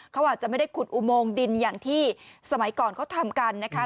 เขาอาจจะไม่ได้ขุดอุโมงดินอย่างที่สมัยก่อนเขาทำกันนะคะ